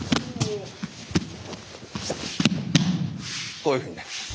こういうふうになります。